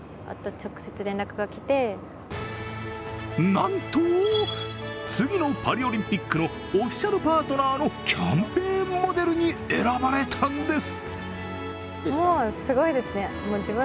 なんと次のパリオリンピックのオフィシャルパートナーのキャンペーンモデルに選ばれたんです。